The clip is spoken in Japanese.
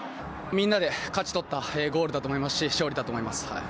みんなで勝ち取ったゴールだと思いますし勝利だと思います。